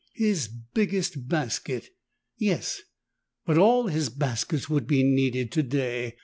His biggest basket ! Yes, but all his baskets would be needed to day.